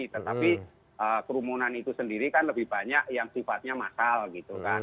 tetapi kerumunan itu sendiri kan lebih banyak yang sifatnya massal gitu kan